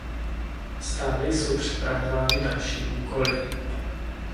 Stále jsou připravovány další úkoly.